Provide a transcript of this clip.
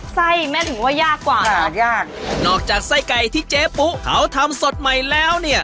แม่ถือว่ายากกว่าหายากยากนอกจากไส้ไก่ที่เจ๊ปุ๊เขาทำสดใหม่แล้วเนี่ย